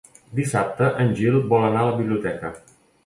Dissabte en Gil vol anar a la biblioteca.